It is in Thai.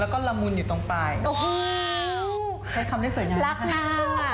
แล้วก็ละมุนอยู่ตรงปลายใช้คำได้สวยงาม